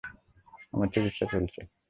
আমার চিকিৎসা চলছে।